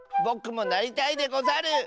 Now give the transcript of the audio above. ぼくもなりたいでござる！